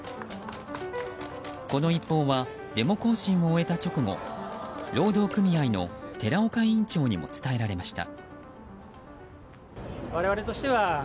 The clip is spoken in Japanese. この一報はデモ行進を終えた直後労働組合の寺岡委員長にも伝えられました。